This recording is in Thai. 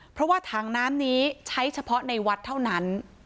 เพราะว่าถังน้ำนี้ใช้เฉพาะในวัดเท่านั้น